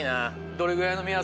どれぐらいの目安？